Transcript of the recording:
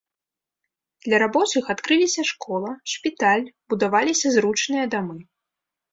Для рабочых адкрыліся школа, шпіталь, будаваліся зручныя дамы.